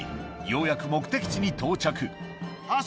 ようやく目的地に到着